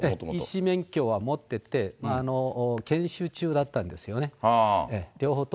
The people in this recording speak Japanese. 医師免許は持ってて、研修中だったんですよね。